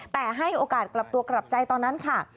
แต่ให้โอกาสกลับตัวกลับใจตอนนั้นค่ะ